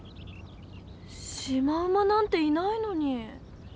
シマウマなんていないのに。